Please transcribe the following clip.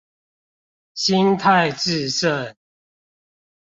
心態致勝